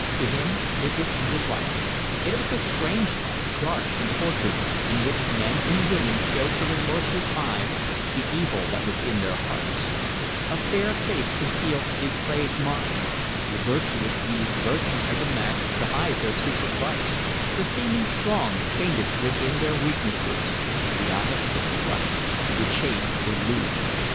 To him it was real life. It was a strange life, dark and tortured, in which men and women showed to remorseless eyes the evil that was in their hearts: a fair face concealed a depraved mind; the virtuous used virtue as a mask to hide their secret vice, the seeming strong fainted within with their weakness; the honest were corrupt, the chaste were lewd.